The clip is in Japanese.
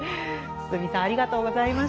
堤さんありがとうございました。